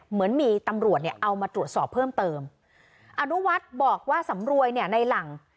เหมือนมีตำรวจเนี่ยเอามาตรวจสอบเพิ่มเติมอนุวัฒน์บอกว่าสำรวยเนี่ยในหลัง